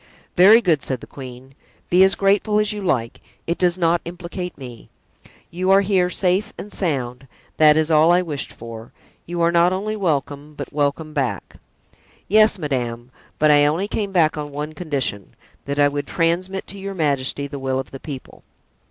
"Very good," said the queen, "be as grateful as you like, it does not implicate me; you are here safe and sound, that is all I wished for; you are not only welcome, but welcome back." "Yes, madame; but I only came back on one condition—that I would transmit to your majesty the will of the people."